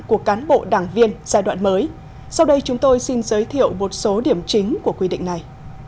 của cán bộ đảng viên giai đoạn mới sau đây chúng tôi xin giới thiệu một số điểm chính của quy định này